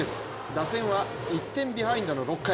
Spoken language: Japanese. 打線は１点ビハインドの６回。